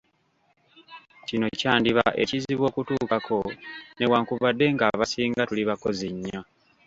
Kino kyandiba ekizibu okutuukako newankubadde nga abasinga tuli bakozi nnyo.